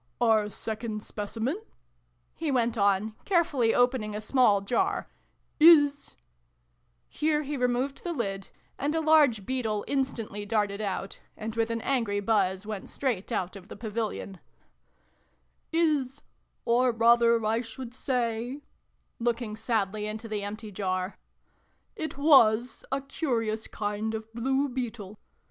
" Our second Specimen," he went on, care fully opening a small jar, " is " here he removed the lid, and a large beetle instantly darted out, and with an angry buzz went straight out of the Pavilion, " is or rather, I should say," looking sadly into the empty jar, "it was a curious kind of Blue Beetle.